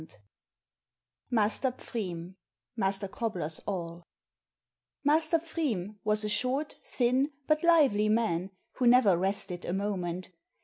178 Master Pfriem (Master Cobbler's Awl) Master Pfriem was a short, thin, but lively man, who never rested a moment.